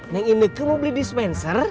neng ineke mau beli dispenser